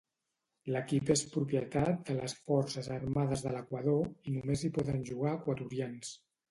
L'equip és propietat de les forces armades de l'Equador i només hi poden jugar equatorians.